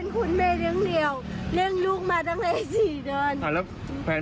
ครับครับ